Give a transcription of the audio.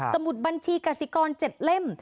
มุดบัญชีกสิกร๗เล่ม